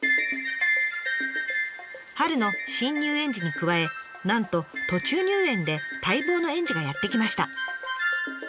春の新入園児に加えなんと途中入園で待望の園児がやって来ました。